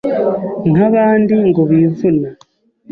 nk’abandi ngo bivuna,